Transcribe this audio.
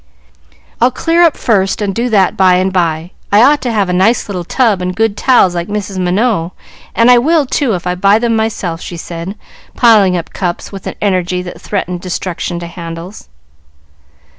"I'll clear up first and do that by and by. I ought to have a nice little tub and good towels, like Mrs. Minot, and I will, too, if I buy them myself," she said, piling up cups with an energy that threatened destruction to handles.